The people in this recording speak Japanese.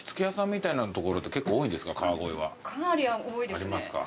ありますか。